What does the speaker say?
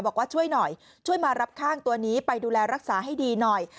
บอกว่าช่วยหน่อยช่วยมารับข้างตัวนี้ไปดูแลรักษาให้ดีหน่อย